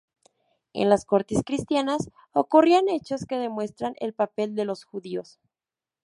En las cortes cristianas, ocurrían hechos que demuestran el papel de los judíos.